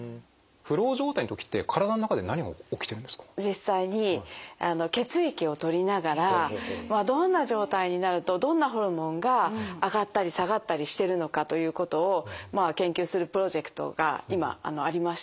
実際に血液をとりながらどんな状態になるとどんなホルモンが上がったり下がったりしてるのかということを研究するプロジェクトが今ありまして。